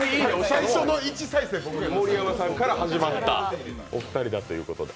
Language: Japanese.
盛山さんから始まったお二人だということで。